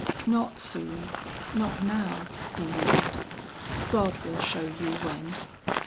"Not soon, not now," he murmured, "God will show you when."